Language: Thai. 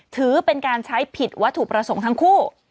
ถือเป็นการใช้ผิดวัตถุประสงค์ทั้งคู่